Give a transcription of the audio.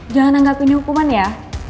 jangan anggap ini hukuman ya